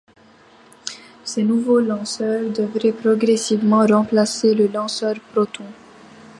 Ces nouveaux lanceurs devraient progressivement remplacer le lanceur Proton.